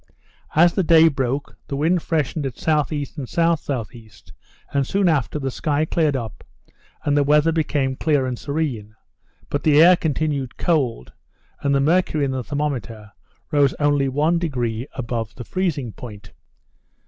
As the day broke, the wind freshened at S.E. and S.S.E.; and soon after, the sky cleared up, and the weather became clear and serene; but the air continued cold, and the mercury in the thermometer rose only one degree above the freezing point.